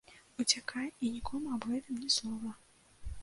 Уцякай і нікому аб гэтым ні слова!